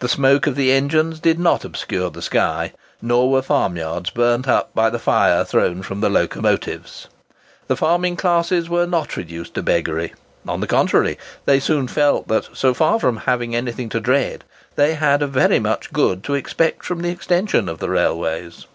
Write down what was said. The smoke of the engines did not obscure the sky, nor were farmyards burnt up by the fire thrown from the locomotives. The farming classes were not reduced to beggary; on the contrary, they soon felt that, so far from having anything to dread, they had very much good to expect from the extension of railways.